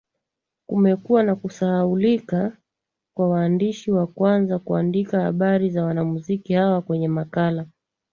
kumekuwa na kusahaulika kwa waandishi wa kwanza kuandika habari za wanamuziki hawa kwenye makala